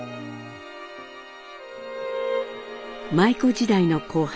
舞妓時代の後輩